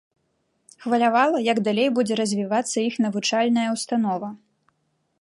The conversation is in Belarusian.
Хвалявала, як далей будзе развівацца іх навучальная ўстанова.